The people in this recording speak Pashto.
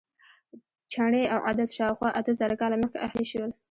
چڼې او عدس شاوخوا اته زره کاله مخکې اهلي شول.